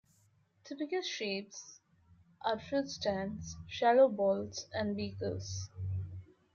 Typical shapes are fruitstands, shallow bowls and beakers.